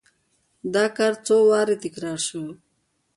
دا کار څو وارې تکرار شو.